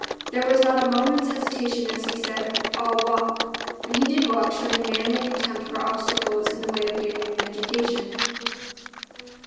There was not a moment's hesitation as he said, "I'll walk." And he did walk, showing a manly contempt for obstacles in the way of gaining an education.